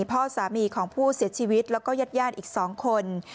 เพราะสามีของผู้เสียชีวิตแล้วก็แยดแย่นอีกสองคน